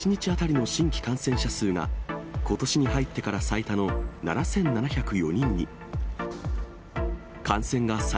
１３日、モスクワ市では１日当たりの新規感染者数が、ことしに入ってから最多の７７０４人に。